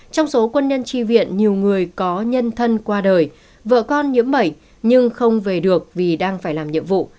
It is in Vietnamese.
trong số quân nhân tri viện nhiều người có nhân thân qua đời vợ con nhiễm bệnh nhưng không về được vì đang phải làm nhiệm vụ